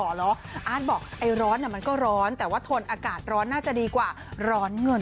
คุณผู้ชมสิ่งที่ล่อหรออาร์ตบอกไอร้อนน่ะมันก็ร้อนแต่ว่าทนอากาศร้อนน่าจะดีกว่าร้อนเงิน